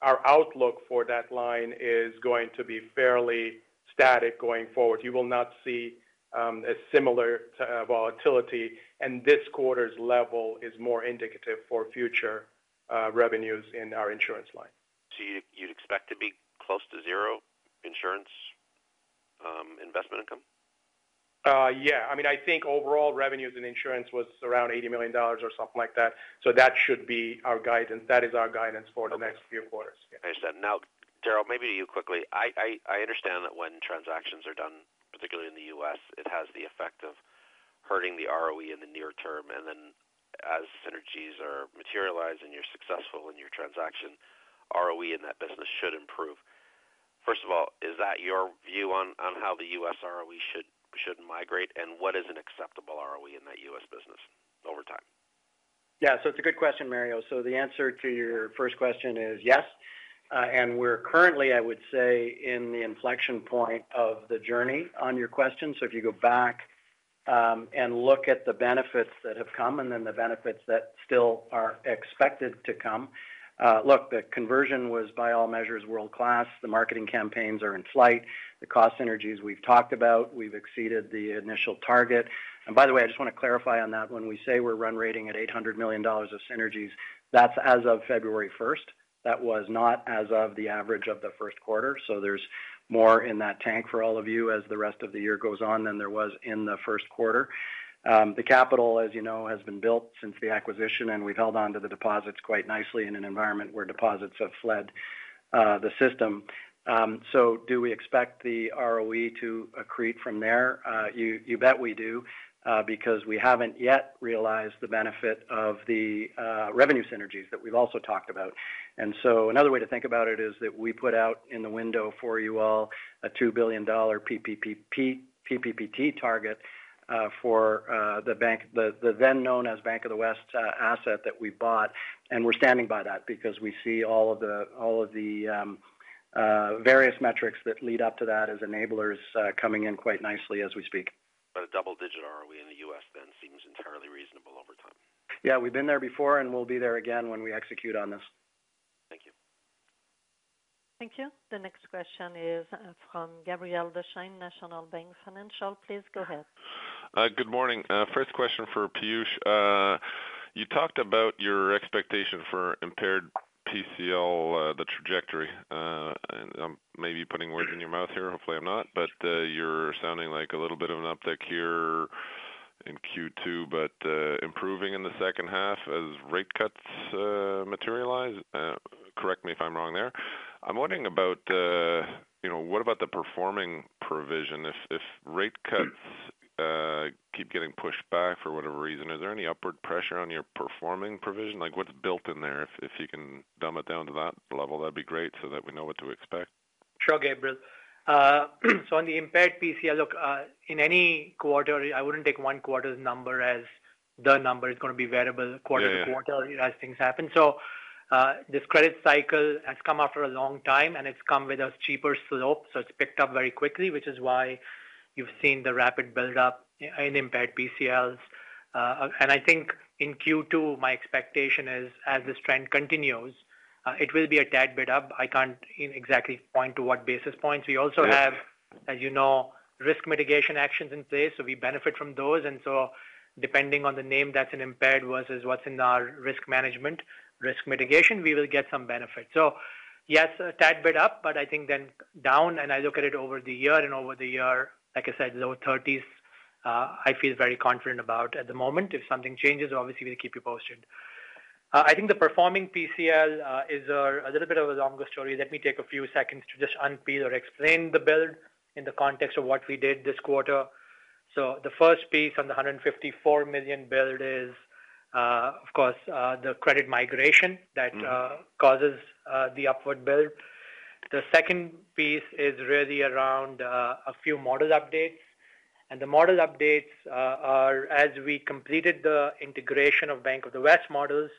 our outlook for that line is going to be fairly static going forward. You will not see a similar volatility. And this quarter's level is more indicative for future revenues in our insurance line. So you'd expect to be close to zero insurance investment income? Yeah. I mean, I think overall revenues in insurance was around 80 million dollars or something like that. So that should be our guidance. That is our guidance for the next few quarters. Yeah. I understand. Now, Gerald, maybe to you quickly. I understand that when transactions are done, particularly in the U.S., it has the effect of hurting the ROE in the near term. And then as synergies are materialized and you're successful in your transaction, ROE in that business should improve. First of all, is that your view on how the U.S. ROE should migrate? And what is an acceptable ROE in that U.S. business over time? Yeah. So it's a good question, Mario. So the answer to your first question is yes. And we're currently, I would say, in the inflection point of the journey on your question. So if you go back and look at the benefits that have come and then the benefits that still are expected to come, look, the conversion was by all measures world-class. The marketing campaigns are in flight. The cost synergies we've talked about, we've exceeded the initial target. And by the way, I just want to clarify on that. When we say we're run rating at $800 million of synergies, that's as of February 1st. That was not as of the average of the first quarter. So there's more in that tank for all of you as the rest of the year goes on than there was in the first quarter. The capital, as you know, has been built since the acquisition, and we've held onto the deposits quite nicely in an environment where deposits have fled the system. So do we expect the ROE to accrete from there? You bet we do because we haven't yet realized the benefit of the revenue synergies that we've also talked about. And so another way to think about it is that we put out in the window for you all a $2 billion PPPT target for the then-known as Bank of the West asset that we bought. And we're standing by that because we see all of the various metrics that lead up to that as enablers coming in quite nicely as we speak. But a double-digit ROE in the U.S. then seems entirely reasonable over time. Yeah. We've been there before, and we'll be there again when we execute on this. Thank you. Thank you. The next question is from Gabriel Dechaine, National Bank Financial. Please go ahead. Good morning. First question for Piyush. You talked about your expectation for impaired PCL, the trajectory. And I'm maybe putting words in your mouth here. Hopefully, I'm not. But you're sounding like a little bit of an uptick here in Q2, but improving in the second half as rate cuts materialize. Correct me if I'm wrong there. I'm wondering about what about the performing provision? If rate cuts keep getting pushed back for whatever reason, is there any upward pressure on your performing provision? What's built in there? If you can dumb it down to that level, that'd be great so that we know what to expect. Sure, Gabriel. So on the impaired PCL, look, in any quarter, I wouldn't take one quarter's number as the number. It's going to be variable quarter to quarter as things happen. So this credit cycle has come after a long time, and it's come with a steeper slope. So it's picked up very quickly, which is why you've seen the rapid buildup in impaired PCLs. I think in Q2, my expectation is as this trend continues, it will be a tad bit up. I can't exactly point to what basis points. We also have, as you know, risk mitigation actions in place. So we benefit from those. And so depending on the name that's in impaired versus what's in our risk management, risk mitigation, we will get some benefit. So yes, a tad bit up, but I think then down. I look at it over the year. Over the year, like I said, low 30s. I feel very confident about at the moment. If something changes, obviously, we'll keep you posted. I think the performing PCL is a little bit of a longer story. Let me take a few seconds to just unpeel or explain the build in the context of what we did this quarter. So the first piece on the 154 million build is, of course, the credit migration that causes the upward build. The second piece is really around a few model updates. And the model updates are, as we completed the integration of Bank of the West models,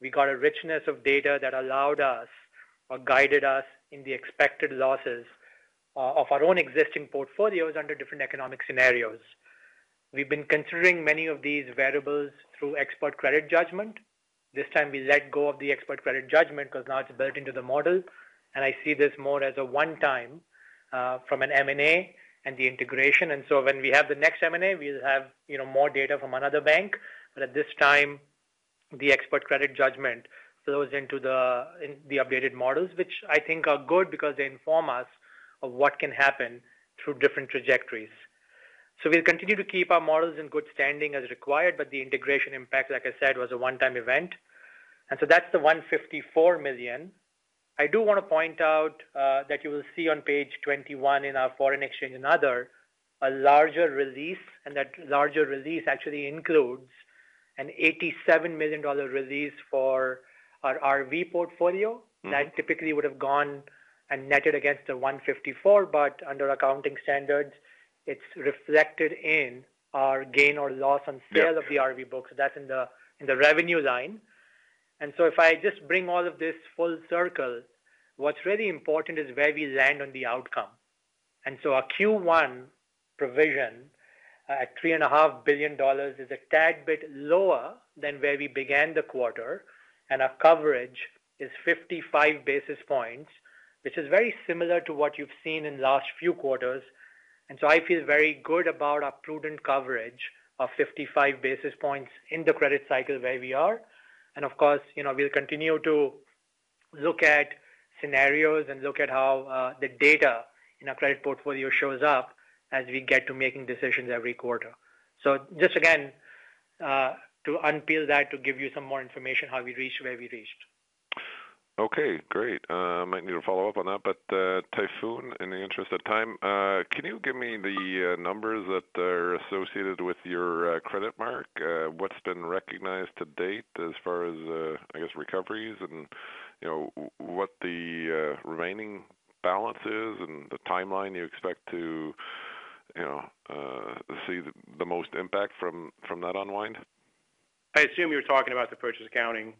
we got a richness of data that allowed us or guided us in the expected losses of our own existing portfolios under different economic scenarios. We've been considering many of these variables through expert credit judgment. This time, we let go of the expert credit judgment because now it's built into the model. And I see this more as a one-time from an M&A and the integration. And so when we have the next M&A, we'll have more data from another bank. But at this time, the expert credit judgment flows into the updated models, which I think are good because they inform us of what can happen through different trajectories. So we'll continue to keep our models in good standing as required. But the integration impact, like I said, was a one-time event. And so that's the $154 million. I do want to point out that you will see on page 21 in our Foreign Exchange and Other, a larger release. And that larger release actually includes an $87 million release for our RV portfolio that typically would have gone and netted against the $154. But under accounting standards, it's reflected in our gain or loss on sale of the RV book. So that's in the revenue line. And so if I just bring all of this full circle, what's really important is where we land on the outcome. So our Q1 provision at 3.5 billion dollars is a tad bit lower than where we began the quarter. Our coverage is 55 basis points, which is very similar to what you've seen in last few quarters. So I feel very good about our prudent coverage of 55 basis points in the credit cycle where we are. Of course, we'll continue to look at scenarios and look at how the data in our credit portfolio shows up as we get to making decisions every quarter. So just again, to unpeel that, to give you some more information, how we reached where we reached. Okay. Great. I might need to follow up on that. But Tayfun, in the interest of time, can you give me the numbers that are associated with your credit mark? What's been recognized to date as far as, I guess, recoveries and what the remaining balance is and the timeline you expect to see the most impact from that unwind? I assume you're talking about the purchase accounting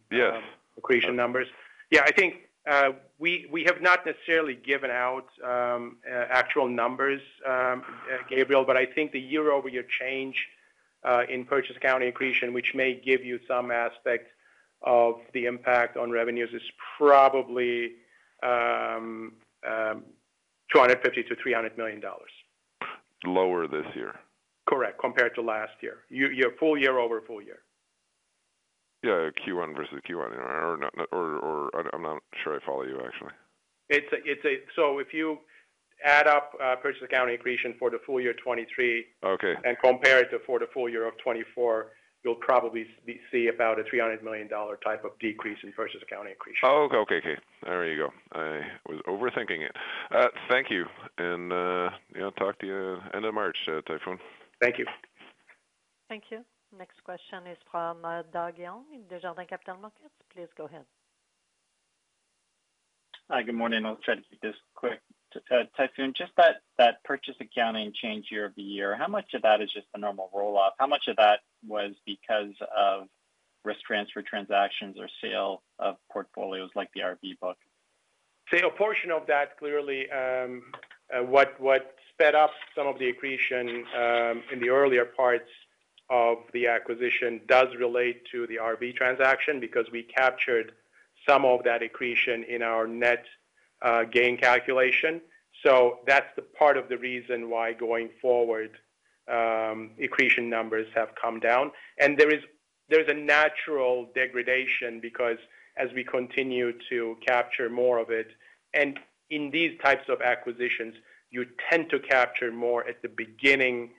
accretion numbers. Yeah. I think we have not necessarily given out actual numbers, Gabriel. But I think the year-over-year change in purchase accounting accretion, which may give you some aspect of the impact on revenues, is probably $250-$300 million. Lower this year? Correct, compared to last year, full year over full year. Yeah. Q1 versus Q1. Or I'm not sure I follow you, actually. So if you add up purchase accounting accretion for the full year 2023 and compare it to for the full year of 2024, you'll probably see about a $300 million type of decrease in purchase accounting accretion. Oh, okay. Okay. Okay. There you go. I was overthinking it. Thank you. And talk to you end of March, Tayfun. Thank you. Thank you. Next question is from Doug Young in Desjardins Capital Markets. Please go ahead. Hi. Good morning. I'll try to keep this quick. Tayfun, just that purchase accounting change year-over-year, how much of that is just the normal roll-off? How much of that was because of risk transfer transactions or sale of portfolios like the ROE book? See, a portion of that, clearly, what sped up some of the accretion in the earlier parts of the acquisition does relate to the RV transaction because we captured some of that accretion in our net gain calculation. So that's the part of the reason why going forward, accretion numbers have come down. There is a natural degradation because as we continue to capture more of it and in these types of acquisitions, you tend to capture more at the beginning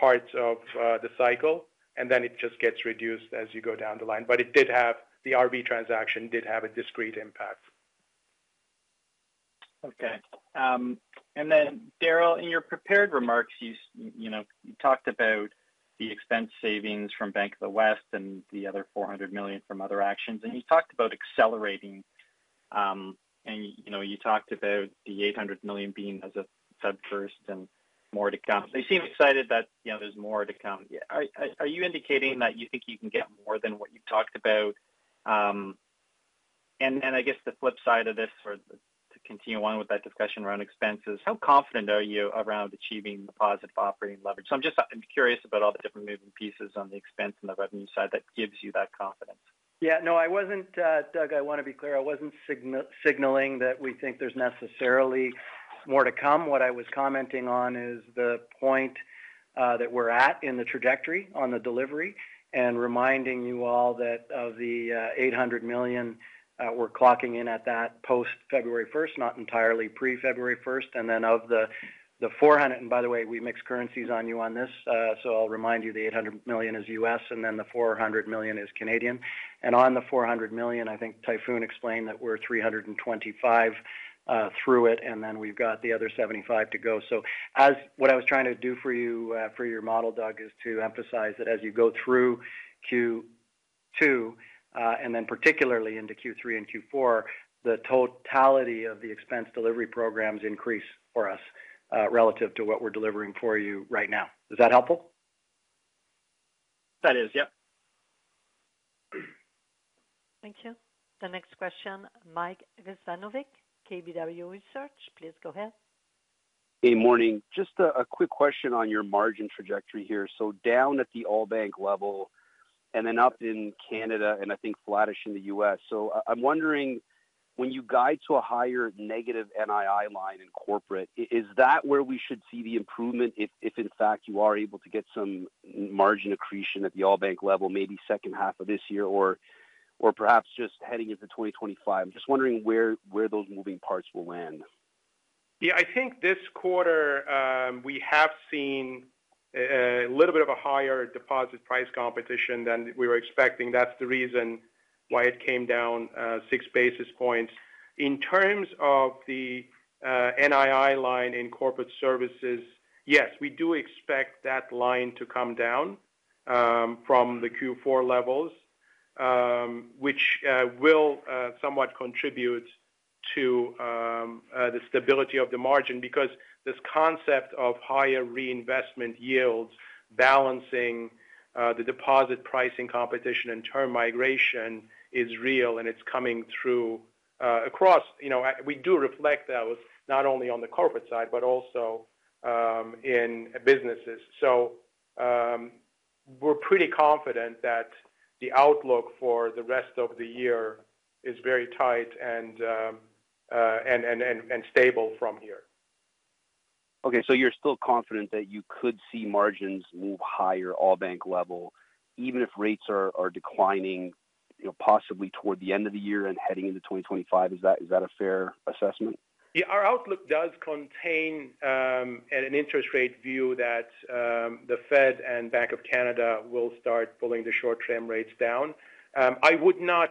parts of the cycle, and then it just gets reduced as you go down the line. But the RV transaction did have a discrete impact. Okay. Then, Darrel, in your prepared remarks, you talked about the expense savings from Bank of the West and the other $400 million from other actions. And you talked about accelerating. And you talked about the $800 million being as a Fed first and more to come. They seem excited that there's more to come. Are you indicating that you think you can get more than what you've talked about? And then I guess the flip side of this, to continue on with that discussion around expenses, how confident are you around achieving positive operating leverage? So I'm curious about all the different moving pieces on the expense and the revenue side that gives you that confidence. Yeah. No. Doug, I want to be clear. I wasn't signaling that we think there's necessarily more to come. What I was commenting on is the point that we're at in the trajectory on the delivery and reminding you all of the $800 million. We're clocking in at that post-February 1st, not entirely pre-February 1st. And then of the 400 million and by the way, we mix currencies on you on this. So I'll remind you, the $800 million is U.S., and then the 400 million is Canadian. On the 400 million, I think Tayfun explained that we're 325 million through it, and then we've got the other 75 million to go. So what I was trying to do for your model, Doug, is to emphasize that as you go through Q2 and then particularly into Q3 and Q4, the totality of the expense delivery programs increase for us relative to what we're delivering for you right now. Is that helpful? That is. Yep. Thank you. The next question, Mike Rizvanovic, KBW Research. Please go ahead. Good morning. Just a quick question on your margin trajectory here. So down at the all-bank level and then up in Canada and I think flattish in the U.S. So I'm wondering, when you guide to a higher negative NII line in corporate, is that where we should see the improvement if, in fact, you are able to get some margin accretion at the All Bank level, maybe second half of this year or perhaps just heading into 2025? I'm just wondering where those moving parts will land. Yeah. I think this quarter, we have seen a little bit of a higher deposit price competition than we were expecting. That's the reason why it came down six basis points. In terms of the NII line in corporate services, yes, we do expect that line to come down from the Q4 levels, which will somewhat contribute to the stability of the margin because this concept of higher reinvestment yields balancing the deposit pricing competition and term migration is real, and it's coming through across. We do reflect that not only on the corporate side but also in businesses. So we're pretty confident that the outlook for the rest of the year is very tight and stable from here. Okay. So you're still confident that you could see margins move higher, all-bank level, even if rates are declining, possibly toward the end of the year and heading into 2025. Is that a fair assessment? Yeah. Our outlook does contain an interest rate view that the Fed and Bank of Canada will start pulling the short-term rates down. I would not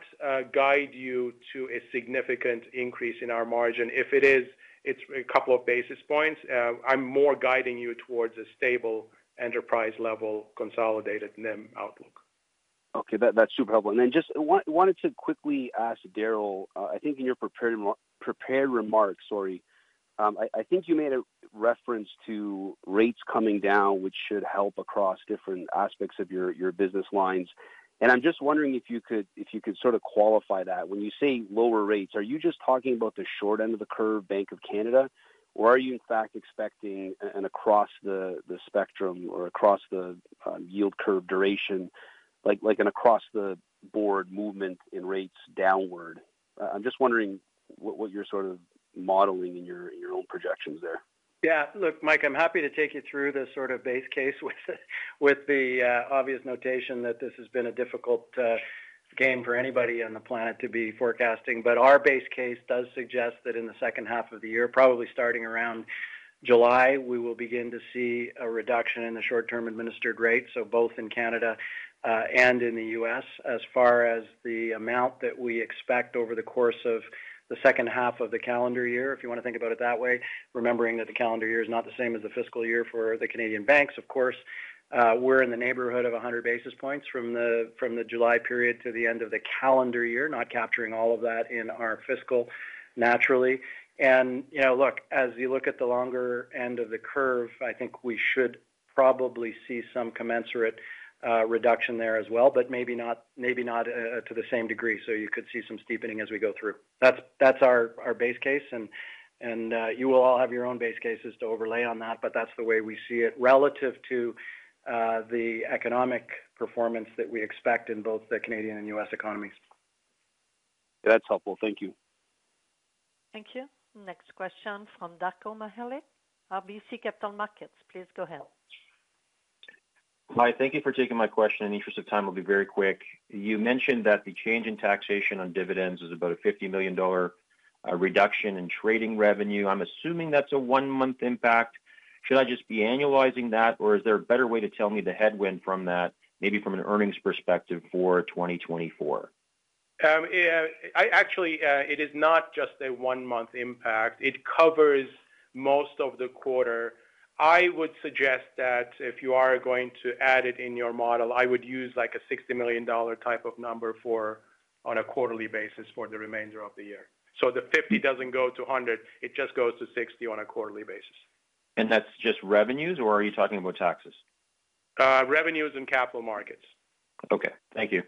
guide you to a significant increase in our margin. If it is, it's a couple of basis points. I'm more guiding you towards a stable enterprise-level consolidated NIM outlook. Okay. That's super helpful. And then just wanted to quickly ask Darryl, I think in your prepared remarks, sorry. I think you made a reference to rates coming down, which should help across different aspects of your business lines. I'm just wondering if you could sort of qualify that. When you say lower rates, are you just talking about the short end of the curve, Bank of Canada, or are you, in fact, expecting an across-the-spectrum or across-the-yield curve duration, an across-the-board movement in rates downward? I'm just wondering what you're sort of modeling in your own projections there. Yeah. Look, Mike, I'm happy to take you through this sort of base case with the obvious notation that this has been a difficult game for anybody on the planet to be forecasting. But our base case does suggest that in the second half of the year, probably starting around July, we will begin to see a reduction in the short-term administered rates, so both in Canada and in the U.S., as far as the amount that we expect over the course of the second half of the calendar year, if you want to think about it that way, remembering that the calendar year is not the same as the fiscal year for the Canadian banks, of course. We're in the neighborhood of 100 basis points from the July period to the end of the calendar year, not capturing all of that in our fiscal naturally. And look, as you look at the longer end of the curve, I think we should probably see some commensurate reduction there as well, but maybe not to the same degree. So you could see some steepening as we go through. That's our base case. And you will all have your own base cases to overlay on that, but that's the way we see it relative to the economic performance that we expect in both the Canadian and U.S. economies. That's helpful. Thank you. Thank you. Next question from Darko Mihelic, RBC Capital Markets. Please go ahead. Hi. Thank you for taking my question. In the interest of time, I'll be very quick. You mentioned that the change in taxation on dividends is about a 50 million dollar reduction in trading revenue. I'm assuming that's a one-month impact. Should I just be annualizing that, or is there a better way to tell me the headwind from that, maybe from an earnings perspective, for 2024? Actually, it is not just a one-month impact. It covers most of the quarter. I would suggest that if you are going to add it in your model, I would use a $60 million type of number on a quarterly basis for the remainder of the year. So the 50 doesn't go to 100. It just goes to 60 on a quarterly basis. And that's just revenues, or are you talking about taxes? Revenues and capital markets. Okay. Thank you.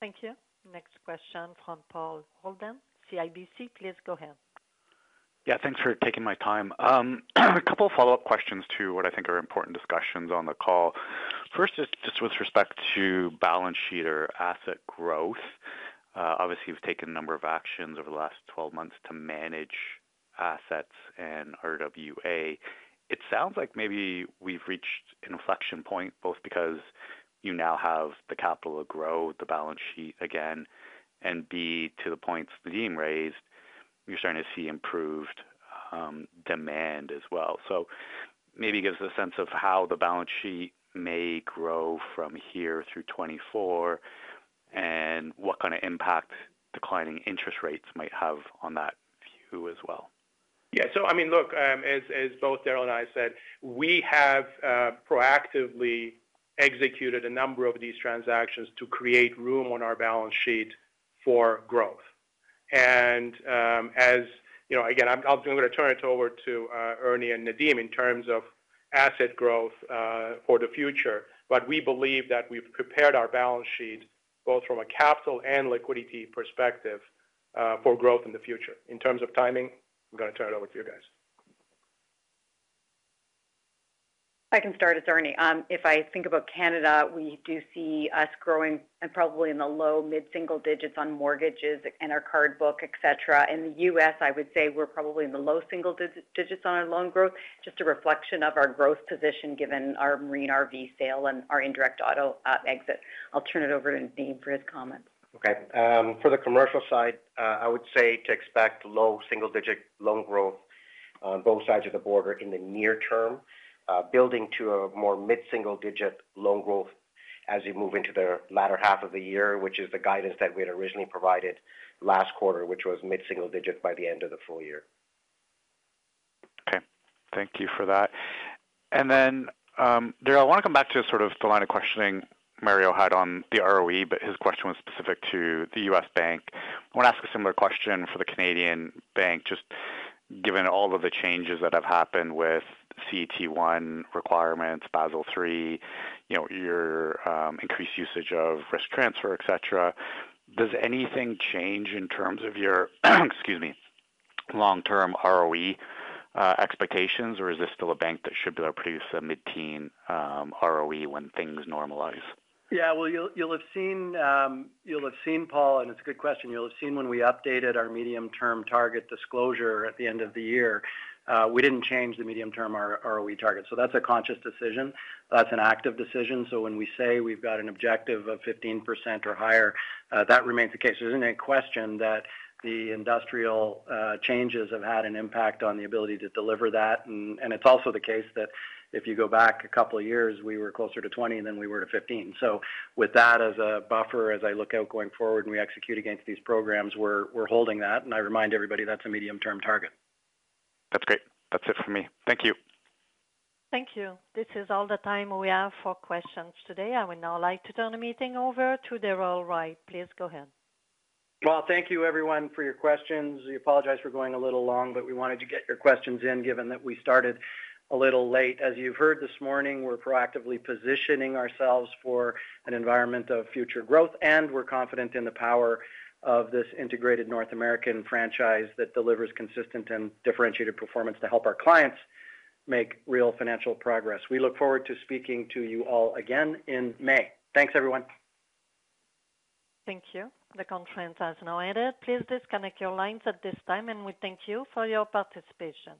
Thank you. Next question, from Paul Holden, CIBC. Please go ahead. Yeah. Thanks for taking my time. A couple of follow-up questions to what I think are important discussions on the call. First is just with respect to balance sheet or asset growth. Obviously, we've taken a number of actions over the last 12 months to manage assets and RWA. It sounds like maybe we've reached an inflection point both because you now have the capital to grow, the balance sheet again, and, B, to the points Nadim raised, you're starting to see improved demand as well. So maybe it gives a sense of how the balance sheet may grow from here through 2024 and what kind of impact declining interest rates might have on that view as well. Yeah. So I mean, look, as both Darryl and I said, we have proactively executed a number of these transactions to create room on our balance sheet for growth. And again, I'm going to turn it over to Ernie and Nadim in terms of asset growth for the future. But we believe that we've prepared our balance sheet both from a capital and liquidity perspective for growth in the future. In terms of timing, I'm going to turn it over to you guys. I can start. It's Ernie. If I think about Canada, we do see us growing probably in the low mid-single digits on mortgages and our card book, etc. In the U.S., I would say we're probably in the low single digits on our loan growth, just a reflection of our growth position given our marine RV sale and our indirect auto exit. I'll turn it over to Nadim for his comments. Okay. For the commercial side, I would say to expect low single-digit loan growth on both sides of the border in the near term, building to a more mid-single-digit loan growth as you move into the latter half of the year, which is the guidance that we had originally provided last quarter, which was mid-single-digit by the end of the full year. Okay. Thank you for that. And then, Darryl, I want to come back to sort of the line of questioning Mario had on the ROE, but his question was specific to the U.S. bank. I want to ask a similar question for the Canadian bank, just given all of the changes that have happened with CET1 requirements, Basel III, your increased usage of risk transfer, etc. Does anything change in terms of your, excuse me, long-term ROE expectations, or is this still a bank that should be able to produce a mid-teens ROE when things normalize? Yeah. Well, you'll have seen, Paul, and it's a good question. You'll have seen when we updated our medium-term target disclosure at the end of the year, we didn't change the medium-term ROE target. So that's a conscious decision. That's an active decision. So when we say we've got an objective of 15% or higher, that remains the case. There isn't any question that the industrial changes have had an impact on the ability to deliver that. And it's also the case that if you go back a couple of years, we were closer to 20 than we were to 15. So with that as a buffer as I look out going forward and we execute against these programs, we're holding that. And I remind everybody, that's a medium-term target. That's great. That's it for me. Thank you. Thank you. This is all the time we have for questions today. I would now like to turn the meeting over to Darryl White. Please go ahead. Well, thank you, everyone, for your questions. We apologize for going a little long, but we wanted to get your questions in given that we started a little late. As you've heard this morning, we're proactively positioning ourselves for an environment of future growth, and we're confident in the power of this integrated North American franchise that delivers consistent and differentiated performance to help our clients make real financial progress. We look forward to speaking to you all again in May. Thanks, everyone. Thank you. The conference has now ended. Please disconnect your lines at this time, and we thank you for your participation.